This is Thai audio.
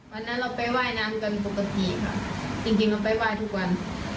วันนั้นเราไปว่ายน้ำกันปกติค่ะจริงจริงเราไปไหว้ทุกวัน